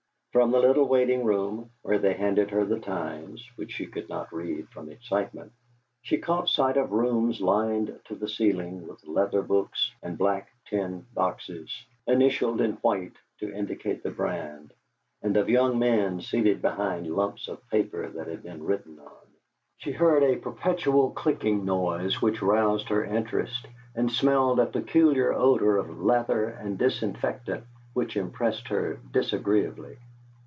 From the little waiting room, where they handed her the Times, which she could not read from excitement, she caught sight of rooms lined to the ceilings with leather books and black tin boxes, initialed in white to indicate the brand, and of young men seated behind lumps of paper that had been written on. She heard a perpetual clicking noise which roused her interest, and smelled a peculiar odour of leather and disinfectant which impressed her disagreeably.